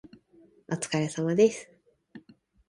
お疲れ様です。